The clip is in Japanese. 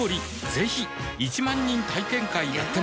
ぜひ１万人体験会やってます